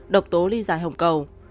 độc tố ly giải hồng cầu